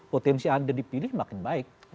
potensi anda dipilih makin baik